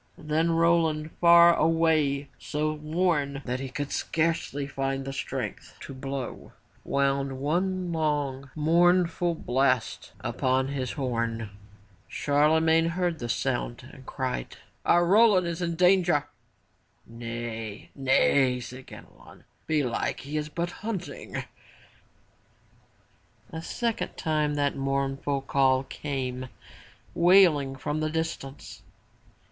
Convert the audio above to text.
Then Roland far away, so worn that he could scarcely find the strength 303 M Y BOOK HOUSE to blow, wound one long mourn ful blast upon his horn. Charle magne heard the sound and cried, Our Roland is in danger!'* "Nay! nay!" said Ganelon, '* belike he is but hunting/' A second time that mournful call came wailing from the distance.